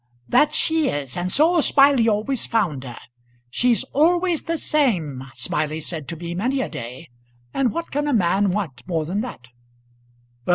"That she is, and so Smiley always found her. 'She's always the same,' Smiley said to me many a day. And what can a man want more than that?"